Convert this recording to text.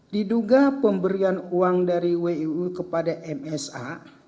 diduga pemberian uang dari wiu kepada msa